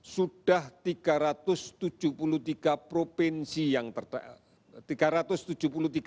sudah tiga ratus tujuh puluh tiga provinsi yang terdapat